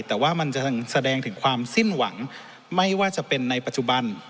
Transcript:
แต่ว่ามันจะแสดงถึงความสิ้นหวังไม่ว่าจะเป็นในปัจจุบัน